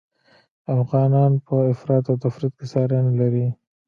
افغانان په افراط او تفریط کي ساری نلري